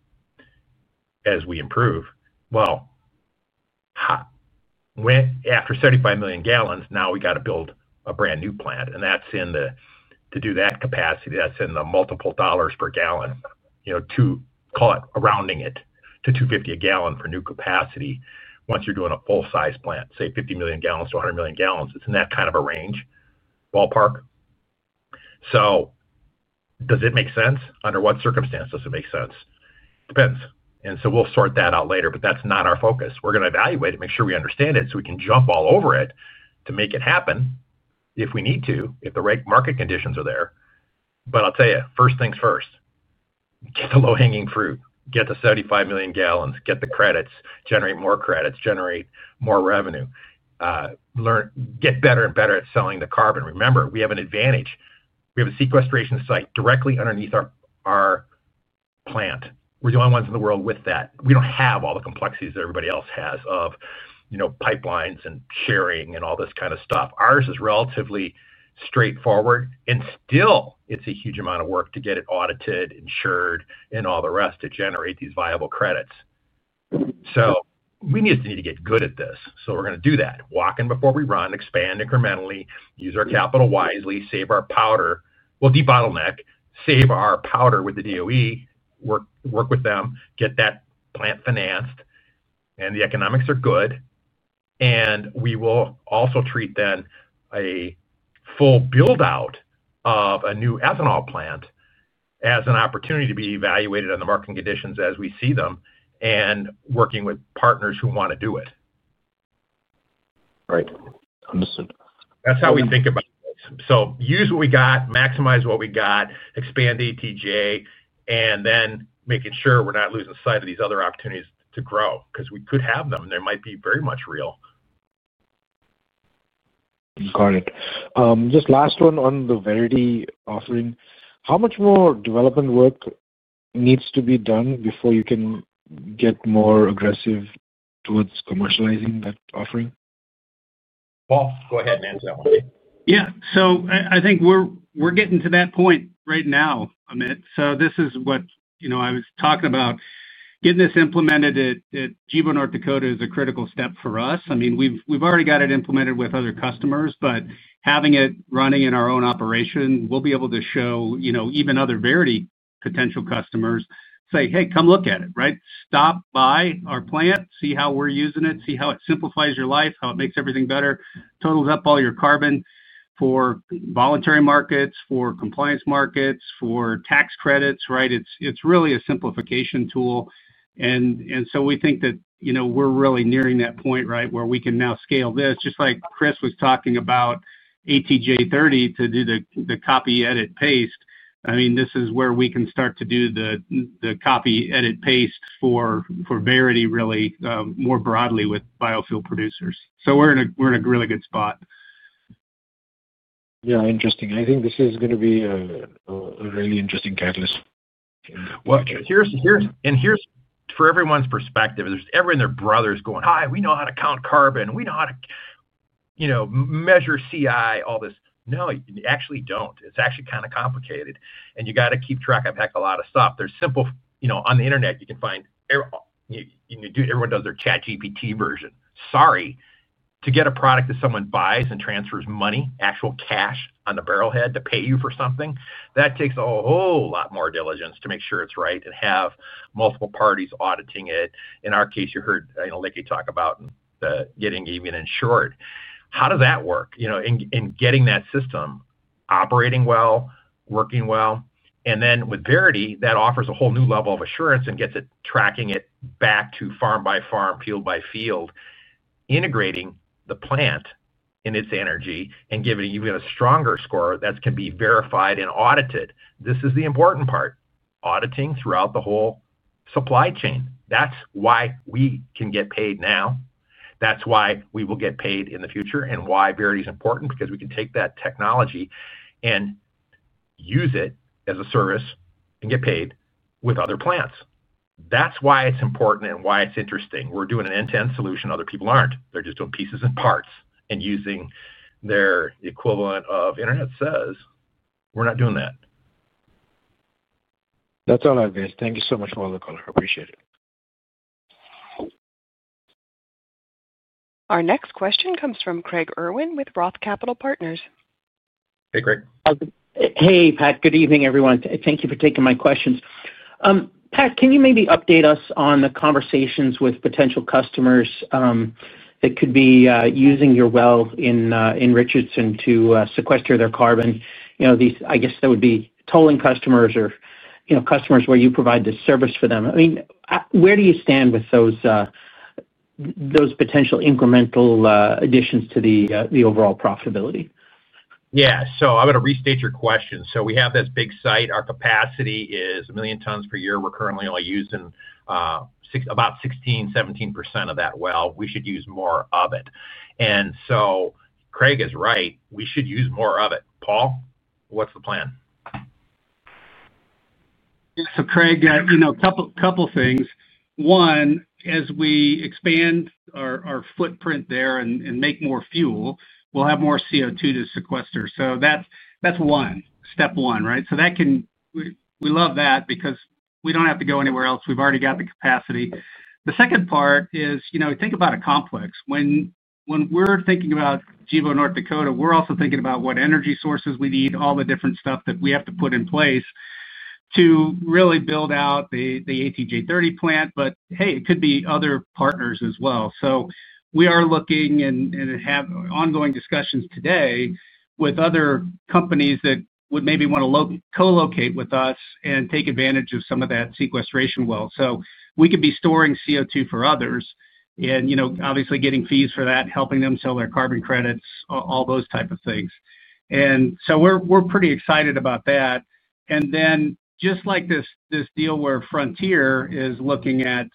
as we improve. After 75 million gal, now we got to build a brand new plant. In order to do that capacity, that's in the multiple dollars per gallon, to call it rounding it to $2.50 a gal for new capacity once you're doing a full-size plant, say, 50 million gal-100 million gal. It's in that kind of a range ballpark. Does it make sense? Under what circumstances does it make sense? Depends. We will sort that out later. That is not our focus. We are going to evaluate it, make sure we understand it so we can jump all over it to make it happen if we need to, if the market conditions are there. I will tell you, first things first. Get the low-hanging fruit. Get the 75 million gal. Get the credits. Generate more credits. Generate more revenue. Get better and better at selling the carbon. Remember, we have an advantage. We have a sequestration site directly underneath our plant. We are the only ones in the world with that. We do not have all the complexities that everybody else has of pipelines and sharing and all this kind of stuff. Ours is relatively straightforward. Still, it is a huge amount of work to get it audited, insured, and all the rest to generate these viable credits. We need to get good at this. We are going to do that. Walk in before we run, expand incrementally, use our capital wisely, save our powder. Debottleneck, save our powder with the DOE, work with them, get that plant financed. The economics are good. We will also treat then a full build-out of a new ethanol plant as an opportunity to be evaluated on the marketing conditions as we see them and working with partners who want to do it. Right. Understood. That's how we think about it. Use what we got, maximize what we got, expand ATJ, and then making sure we're not losing sight of these other opportunities to grow because we could have them. They might be very much real. Got it. Just last one on the Verity offering. How much more development work needs to be done before you can get more aggressive towards commercializing that offering? Paul, go ahead and answer that one. Yeah. I think we're getting to that point right now, Amit. This is what I was talking about. Getting this implemented at Gevo North Dakota is a critical step for us. I mean, we've already got it implemented with other customers, but having it running in our own operation, we'll be able to show even other Verity potential customers, say, "Hey, come look at it," right? Stop by our plant, see how we're using it, see how it simplifies your life, how it makes everything better, totals up all your carbon for voluntary markets, for compliance markets, for tax credits, right? It's really a simplification tool. We think that we're really nearing that point, right, where we can now scale this. Just like Chris was talking about ATJ-30 to do the copy, edit, paste. I mean, this is where we can start to do the copy, edit, paste for Verity, really, more broadly with biofuel producers. So we're in a really good spot. Yeah. Interesting. I think this is going to be a really interesting catalyst. Here's for everyone's perspective, there's everyone and their brothers going, "Hi, we know how to count carbon. We know how to measure CI," all this. No, you actually do not. It's actually kind of complicated. And you got to keep track of a heck of a lot of stuff. There's simple on the internet, you can find everyone does their ChatGPT version. Sorry. To get a product that someone buys and transfers money, actual cash on the barrelhead to pay you for something, that takes a whole lot more diligence to make sure it's right and have multiple parties auditing it. In our case, you heard Leke talk about getting even insured. How does that work? And getting that system operating well, working well. With Verity, that offers a whole new level of assurance and gets it tracking it back to farm by farm, field by field, integrating the plant and its energy and giving you a stronger score that can be verified and audited. This is the important part: auditing throughout the whole supply chain. That is why we can get paid now. That is why we will get paid in the future. And why Verity is important? Because we can take that technology and use it as a service and get paid with other plants. That is why it is important and why it is interesting. We are doing an end-to-end solution. Other people are not. They are just doing pieces and parts and using their equivalent of internet says. We are not doing that. That's all I have, guys. Thank you so much for all the color. I appreciate it. Our next question comes from Craig Irwin with Roth Capital Partners. Hey, Craig. Hey, Pat. Good evening, everyone. Thank you for taking my questions. Pat, can you maybe update us on the conversations with potential customers that could be using your well in Richardson to sequester their carbon? I guess that would be tolling customers or customers where you provide the service for them. I mean, where do you stand with those potential incremental additions to the overall profitability? Yeah. I'm going to restate your question. We have this big site. Our capacity is 1 million tons per year. We're currently only using about 16-17% of that well. We should use more of it. Craig is right. We should use more of it. Paul, what's the plan? Craig, a couple of things. One, as we expand our footprint there and make more fuel, we'll have more CO2 to sequester. That's one, step one, right? We love that because we don't have to go anywhere else. We've already got the capacity. The second part is think about a complex. When we're thinking about Gevo North Dakota, we're also thinking about what energy sources we need, all the different stuff that we have to put in place to really build out the ATJ-30 plant. Hey, it could be other partners as well. We are looking and have ongoing discussions today with other companies that would maybe want to co-locate with us and take advantage of some of that sequestration well. We could be storing CO2 for others and obviously getting fees for that, helping them sell their carbon credits, all those types of things. We are pretty excited about that. Just like this deal where Frontier is looking at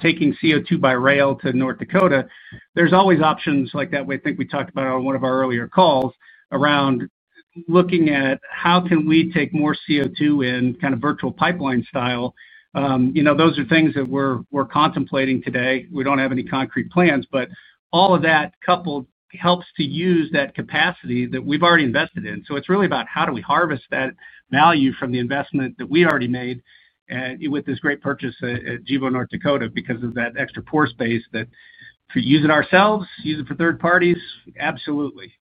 taking CO2 by rail to North Dakota, there are always options like that. I think we talked about on one of our earlier calls around looking at how can we take more CO2 in kind of virtual pipeline style. Those are things that we are contemplating today. We do not have any concrete plans, but all of that coupled helps to use that capacity that we have already invested in. It's really about how do we harvest that value from the investment that we already made with this great purchase at Gevo North Dakota because of that extra pore space that if we use it ourselves, use it for third parties, absolutely.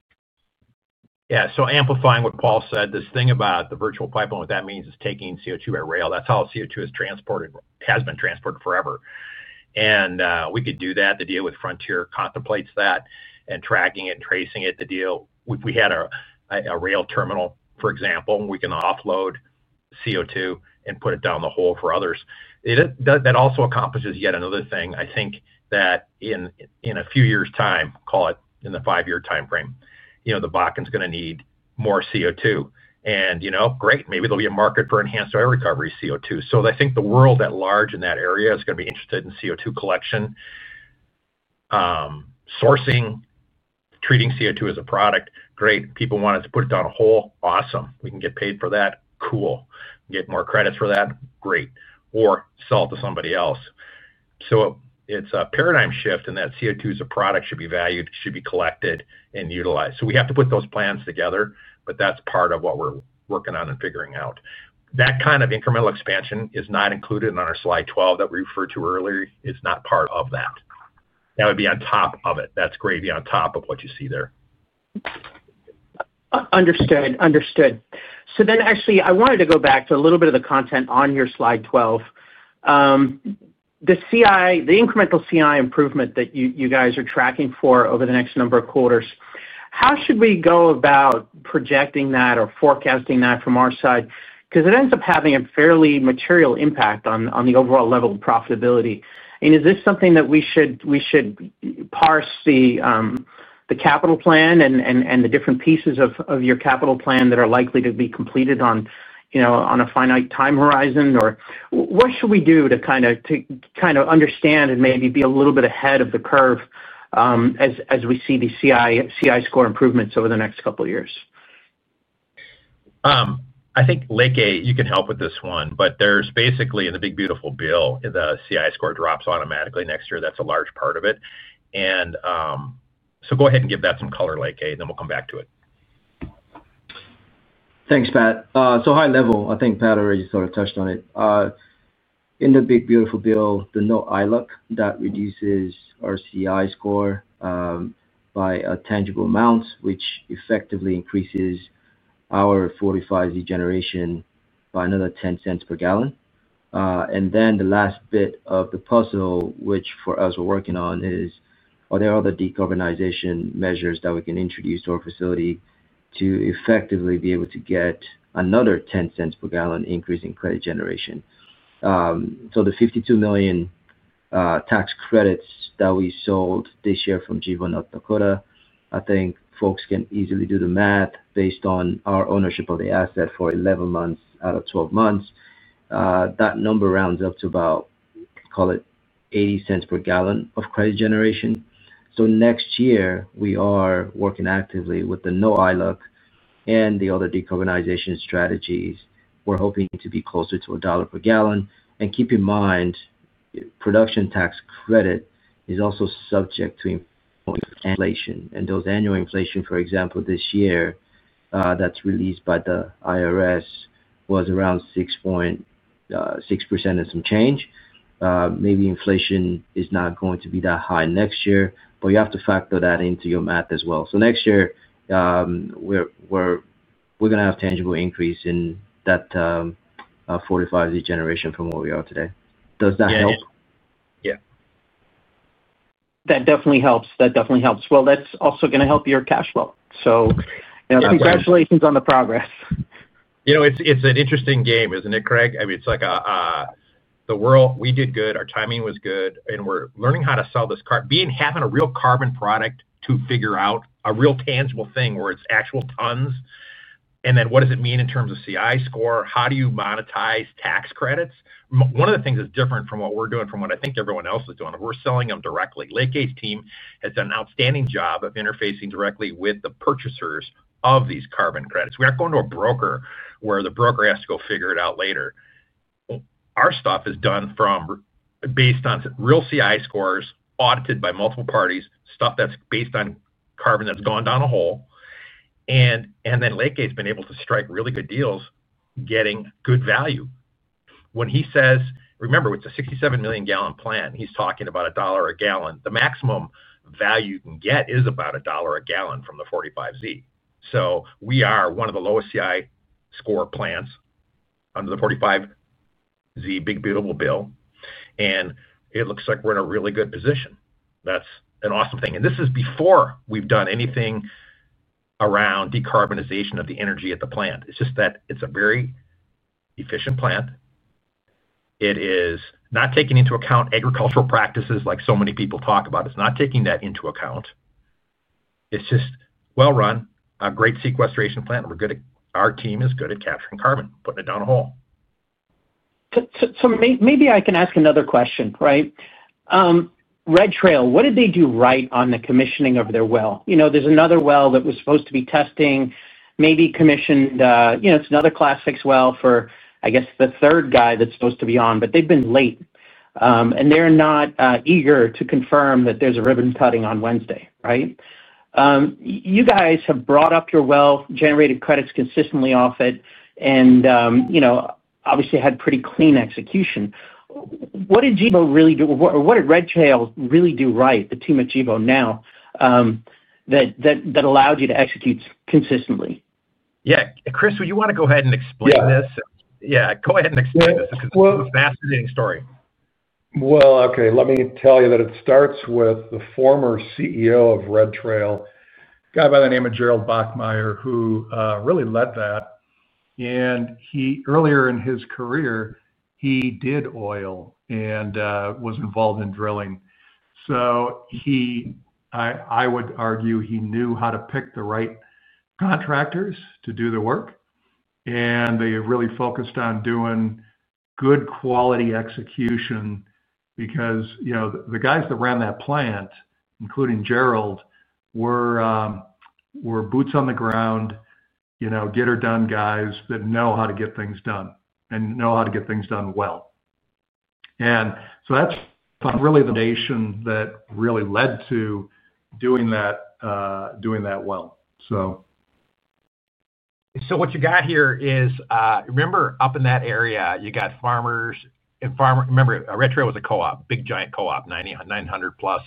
Yeah. Amplifying what Paul said, this thing about the virtual pipeline, what that means is taking CO2 by rail. That is how CO2 has been transported forever. We could do that. The deal with Frontier contemplates that and tracking it and tracing it, the deal. If we had a rail terminal, for example, we can offload CO2 and put it down the hole for others. That also accomplishes yet another thing. I think that in a few years' time, call it in the five-year timeframe, the Bakken is going to need more CO2. Great, maybe there will be a market for enhanced oil recovery CO2. I think the world at large in that area is going to be interested in CO2 collection, sourcing, treating CO2 as a product. Great. People want us to put it down a hole. Awesome. We can get paid for that. Cool. Get more credits for that. Great. Or sell it to somebody else. It is a paradigm shift in that CO2 as a product should be valued, should be collected, and utilized. We have to put those plans together, but that is part of what we are working on and figuring out. That kind of incremental expansion is not included on our slide 12 that we referred to earlier. It is not part of that. That would be on top of it. That is great to be on top of what you see there. Understood. Understood. I wanted to go back to a little bit of the content on your slide 12. The incremental CI improvement that you guys are tracking for over the next number of quarters, how should we go about projecting that or forecasting that from our side? Because it ends up having a fairly material impact on the overall level of profitability. Is this something that we should parse the capital plan and the different pieces of your capital plan that are likely to be completed on a finite time horizon? What should we do to kind of understand and maybe be a little bit ahead of the curve as we see the CI score improvements over the next couple of years? I think, Leke, you can help with this one. There's basically in the One Big Beautiful Bill, the CI score drops automatically next year. That's a large part of it. Go ahead and give that some color, Leke, and then we'll come back to it. Thanks, Pat. High level, I think Pat already sort of touched on it. In the Big Beautiful Bill, the note ILOC that reduces our CI score by a tangible amount, which effectively increases our 45Z generation by another $0.10 per gal. The last bit of the puzzle, which for us we're working on, is are there other decarbonization measures that we can introduce to our facility to effectively be able to get another $0.10 per gal increase in credit generation? The $52 million tax credits that we sold this year from Gevo North Dakota, I think folks can easily do the math based on our ownership of the asset for 11 months out of 12 months. That number rounds up to about, call it, $0.80 per gal of credit generation. Next year, we are working actively with the note ILOC and the other decarbonization strategies. We're hoping to be closer to a dollar per gallon. Keep in mind, production tax credit is also subject to inflation. Those annual inflation, for example, this year that's released by the IRS was around 6.6% and some change. Maybe inflation is not going to be that high next year, but you have to factor that into your math as well. Next year, we're going to have a tangible increase in that 45Z generation from where we are today. Does that help? Yeah. That definitely helps. That definitely helps. That is also going to help your cash flow. Congratulations on the progress. It's an interesting game, isn't it, Craig? I mean, it's like the world. We did good. Our timing was good. And we're learning how to sell this car, having a real carbon product to figure out a real tangible thing where it's actual tons. What does it mean in terms of CI score? How do you monetize tax credits? One of the things that's different from what we're doing, from what I think everyone else is doing, we're selling them directly. Leke's team has done an outstanding job of interfacing directly with the purchasers of these carbon credits. We aren't going to a broker where the broker has to go figure it out later. Our stuff is done based on real CI scores audited by multiple parties, stuff that's based on carbon that's gone down a hole. Leke's been able to strike really good deals, getting good value. When he says, "Remember, it's a 67 million gal plant," he's talking about a dollar a gallon. The maximum value you can get is about a dollar a gallon from the 45Z. We are one of the lowest CI score plants under the 45Z One Big Beautiful Bill. It looks like we're in a really good position. That's an awesome thing. This is before we've done anything around decarbonization of the energy at the plant. It's just that it's a very efficient plant. It is not taking into account agricultural practices like so many people talk about. It's not taking that into account. It's just well-run, a great sequestration plant, and our team is good at capturing carbon, putting it down a hole. Maybe I can ask another question, right? Red Trail, what did they do right on the commissioning of their well? There is another well that was supposed to be testing, maybe commissioned. It is another Class VI well for, I guess, the third guy that is supposed to be on, but they have been late. They are not eager to confirm that there is a ribbon cutting on Wednesday, right? You guys have brought up your well, generated credits consistently off it, and obviously had pretty clean execution. What did Gevo really do? Or what did Red Trail really do right, the team at Gevo now, that allowed you to execute consistently? Yeah. Chris, would you want to go ahead and explain this? Yeah. Go ahead and explain this because it's a fascinating story. Let me tell you that it starts with the former CEO of Red Trail, a guy by the name of Gerald Bachmeier, who really led that. Earlier in his career, he did oil and was involved in drilling. I would argue he knew how to pick the right contractors to do the work. They really focused on doing good quality execution because the guys that ran that plant, including Gerald, were boots on the ground, get-or-done guys that know how to get things done and know how to get things done well. That is really the notion that really led to doing that well. What you got here is remember, up in that area, you got farmers. Remember, Red Trail was a co-op, big giant co-op, 900-plus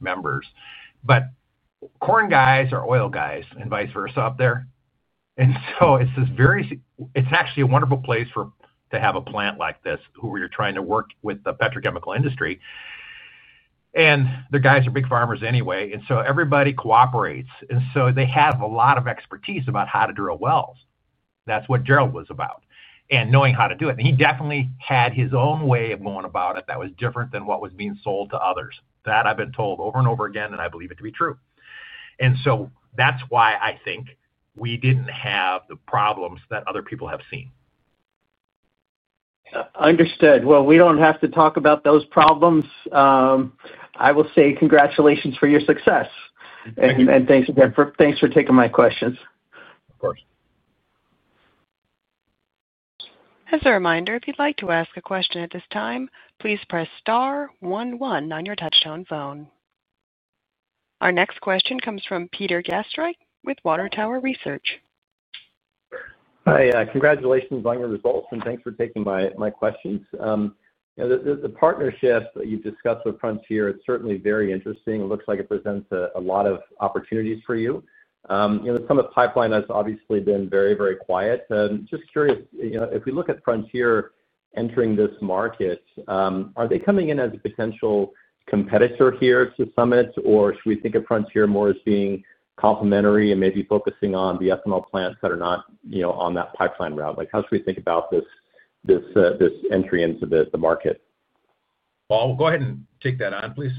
members. Corn guys are oil guys and vice versa up there. It is actually a wonderful place to have a plant like this where you're trying to work with the petrochemical industry. The guys are big farmers anyway. Everybody cooperates. They have a lot of expertise about how to drill wells. That is what Gerald was about and knowing how to do it. He definitely had his own way of going about it that was different than what was being sold to others. I have been told that over and over again, and I believe it to be true. That is why I think we did not have the problems that other people have seen. Understood. We do not have to talk about those problems. I will say congratulations for your success. Thanks for taking my questions. Of course. As a reminder, if you'd like to ask a question at this time, please press star 11 on your touchstone phone. Our next question comes from Peter Gastreich with Water Tower Research. Hi. Congratulations on your results, and thanks for taking my questions. The partnership that you've discussed with Frontier, it's certainly very interesting. It looks like it presents a lot of opportunities for you. The Summit Pipeline has obviously been very, very quiet. Just curious, if we look at Frontier entering this market, are they coming in as a potential competitor here to Summit, or should we think of Frontier more as being complementary and maybe focusing on the ethanol plants that are not on that pipeline route? How should we think about this entry into the market? Paul, go ahead and take that on, please.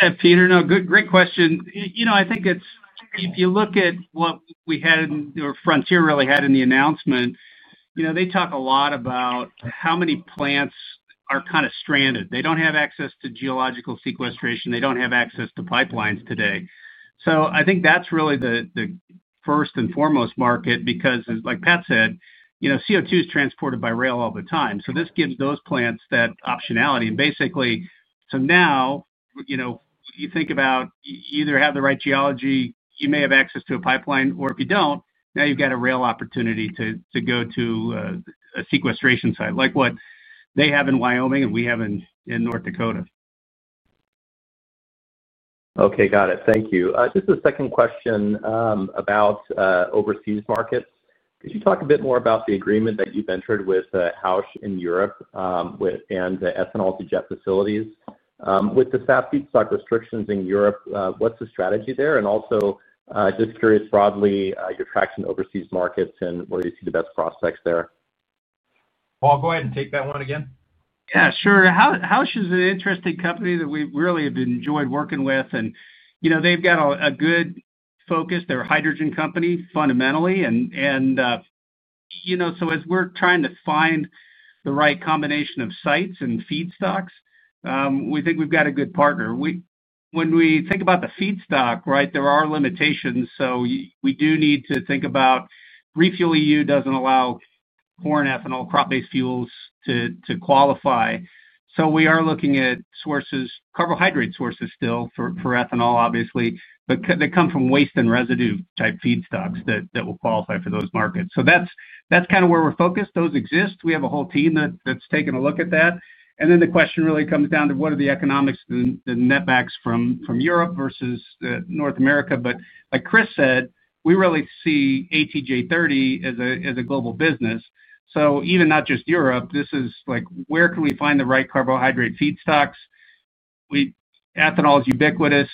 Yeah, Peter. No, great question. I think if you look at what we had or Frontier really had in the announcement, they talk a lot about how many plants are kind of stranded. They do not have access to geological sequestration. They do not have access to pipelines today. I think that is really the first and foremost market because, like Pat said, CO2 is transported by rail all the time. This gives those plants that optionality. Basically, now you think about you either have the right geology, you may have access to a pipeline, or if you do not, now you have got a rail opportunity to go to a sequestration site like what they have in Wyoming and we have in North Dakota. Okay. Got it. Thank you. Just a second question about overseas markets. Could you talk a bit more about the agreement that you've entered with Haush in Europe and the ethanol to jet facilities? With the SAF restrictions in Europe, what's the strategy there? Also, just curious broadly, your traction in overseas markets and where you see the best prospects there? Paul, go ahead and take that one again. Yeah, sure. Haush is an interesting company that we really have enjoyed working with. And they've got a good focus. They're a hydrogen company fundamentally. As we're trying to find the right combination of sites and feedstocks, we think we've got a good partner. When we think about the feedstock, right, there are limitations. We do need to think about Refuel.eu does not allow corn ethanol, crop-based fuels to qualify. We are looking at sources, carbohydrate sources still for ethanol, obviously, but that come from waste and residue-type feedstocks that will qualify for those markets. That's kind of where we're focused. Those exist. We have a whole team that's taken a look at that. The question really comes down to what are the economics, the netbacks from Europe versus North America. Like Chris said, we really see ATJ-30 as a global business. Even not just Europe, this is where can we find the right carbohydrate feedstocks? Ethanol is ubiquitous.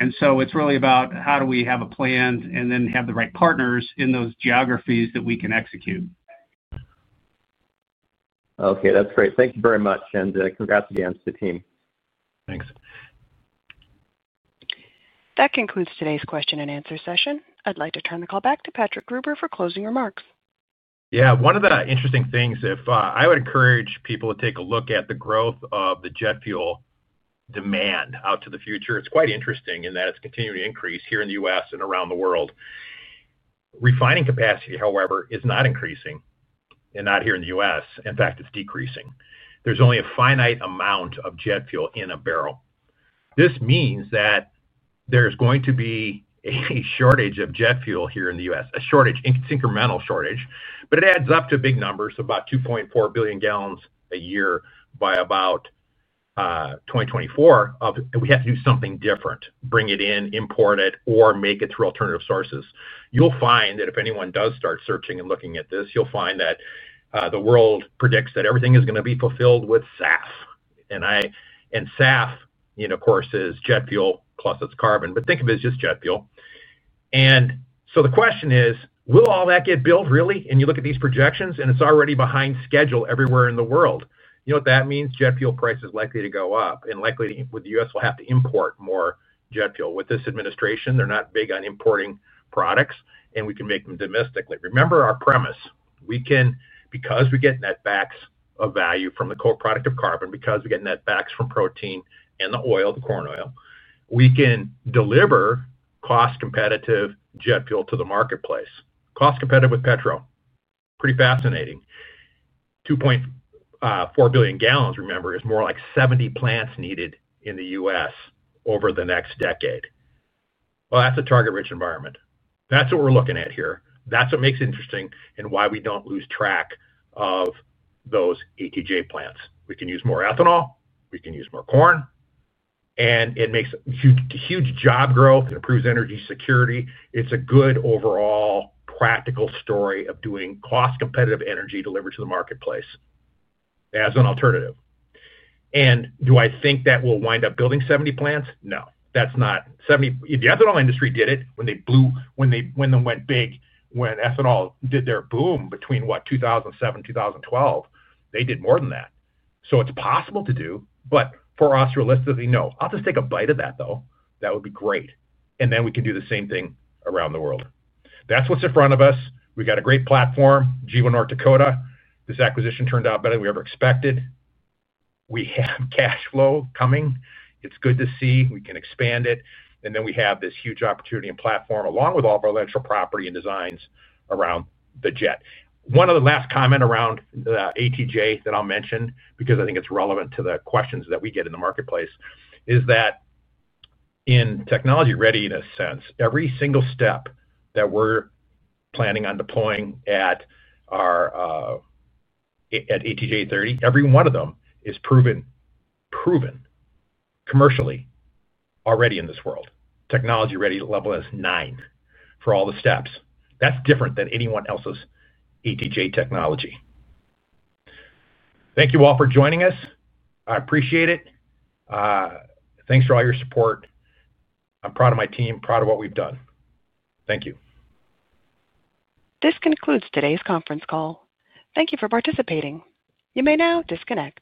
And so it's really about how do we have a plan and then have the right partners in those geographies that we can execute. Okay. That's great. Thank you very much. Congrats again to the team. Thanks. That concludes today's question and answer session. I'd like to turn the call back to Patrick Gruber for closing remarks. Yeah. One of the interesting things, I would encourage people to take a look at the growth of the jet fuel demand out to the future. It's quite interesting in that it's continuing to increase here in the U.S. and around the world. Refining capacity, however, is not increasing, and not here in the U.S. In fact, it's decreasing. There's only a finite amount of jet fuel in a barrel. This means that there's going to be a shortage of jet fuel here in the U.S., a shortage, an incremental shortage. It adds up to big numbers, about 2.4 billion gal a year by about 2024. We have to do something different: bring it in, import it, or make it through alternative sources. You'll find that if anyone does start searching and looking at this, you'll find that the world predicts that everything is going to be fulfilled with SAF. SAF, of course, is jet fuel plus its carbon, but think of it as just jet fuel. The question is, will all that get built really? You look at these projections, and it's already behind schedule everywhere in the world. That means jet fuel price is likely to go up, and likely the U.S. will have to import more jet fuel. With this administration, they're not big on importing products, and we can make them domestically. Remember our premise. Because we get netbacks of value from the co-product of carbon, because we get netbacks from protein and the oil, the corn oil, we can deliver cost-competitive jet fuel to the marketplace. Cost-competitive with petrol. Pretty fascinating. 2.4 billion gal, remember, is more like 70 plants needed in the U.S. over the next decade. That is a target-rich environment. That is what we are looking at here. That is what makes it interesting and why we do not lose track of those ATJ plants. We can use more ethanol. We can use more corn. And it makes a huge job grow. Improves energy security. It is a good overall practical story of doing cost-competitive energy delivery to the marketplace as an alternative. Do I think that we will wind up building 70 plants? No. The ethanol industry did it when they blew, when they went big, when ethanol did their boom between, what, 2007, 2012. They did more than that. It is possible to do. For us, realistically, no. I will just take a bite of that, though. That would be great. We can do the same thing around the world. That is what is in front of us. We have got a great platform, Gevo North Dakota. This acquisition turned out better than we ever expected. We have cash flow coming. It is good to see. We can expand it. We have this huge opportunity and platform along with all of our intellectual property and designs around the jet. One of the last comments around ATJ that I will mention, because I think it is relevant to the questions that we get in the marketplace, is that in technology readiness sense, every single step that we are planning on deploying at ATJ-30, every one of them is proven, proven commercially already in this world. Technology readiness level is nine for all the steps. That is different than anyone else's ATJ technology. Thank you all for joining us. I appreciate it. Thanks for all your support. I'm proud of my team, proud of what we've done. Thank you. This concludes today's conference call. Thank you for participating. You may now disconnect.